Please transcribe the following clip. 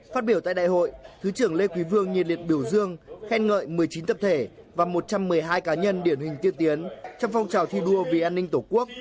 phát biểu tại đại hội thứ trưởng lê quý vương nhiệt liệt biểu dương khen ngợi một mươi chín tập thể và một trăm một mươi hai cá nhân điển hình tiên tiến trong phong trào thi đua vì an ninh tổ quốc